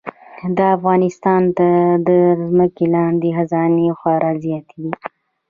د افغانستان تر ځمکې لاندې خزانې خورا زیاتې دي.